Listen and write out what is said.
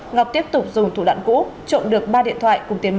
ngọc tiếp tục dùng thủ đoạn cũ trộm được ba điện thoại cùng tiền mặt